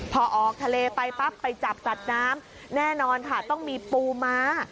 พอออกทะเลไปปั๊บไปจับสัตว์น้ำแน่นอนค่ะต้องมีปูม้า